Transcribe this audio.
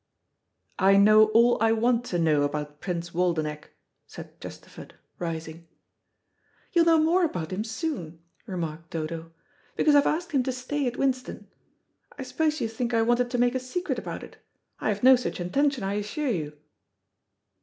"I know all I want to know about Prince Waldenech," said Chesterford, rising. "You'll know more about him soon," remarked Dodo, "because I've asked him to stay at Winston. I suppose you think I wanted to make a secret about it. I have no such intention, I assure you."